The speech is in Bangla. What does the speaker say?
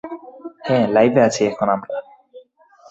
হ্যাঁ, লাইভে আছি এখন আমরা!